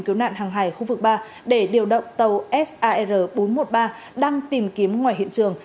cứu nạn hàng hải khu vực ba để điều động tàu sar bốn trăm một mươi ba đang tìm kiếm ngoài hiện trường